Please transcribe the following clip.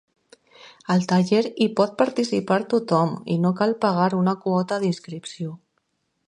Al taller hi pot participar tothom, i no cal pagar una quota d'inscripció.